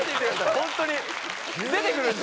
ホントに出て来るんで。